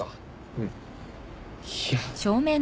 うん。いや。